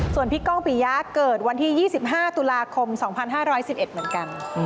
ส่วนพี่ก้องปียะเกิดวันที่๒๕ตุลาคม๒๕๑๑เหมือนกัน